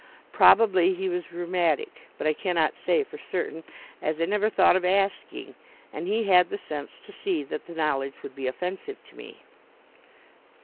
Probably he was rheumatic, but I cannot say for certain, as I never thought of asking, and he had the sense to see that the knowledge would be offensive to me.